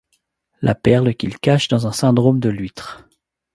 La perle qu’il cache dans un syndrome de l’huître.